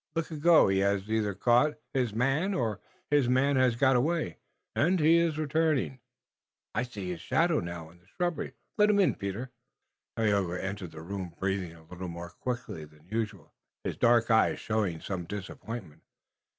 Long ago he hass either caught hiss man or hiss man hass got away, und he iss returning. I see hiss shadow now in the shrubbery. Let him in, Peter." Tayoga entered the room, breathing a little more quickly than usual, his dark eyes showing some disappointment.